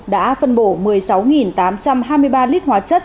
đã phân bổ một mươi sáu tám trăm hai mươi ba lít hóa chất